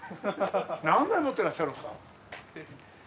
何台持ってらっしゃるんですか？